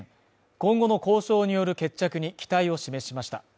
今後の交渉による決着に期待を示しました。